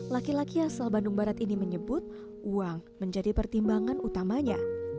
laki laki asal bandung barat ini menyebut uang menjadi pertimbangan utamanya